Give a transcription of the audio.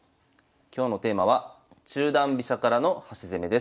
今日のテーマは「中段飛車からの端攻め」です。